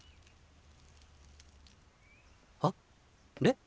あれ？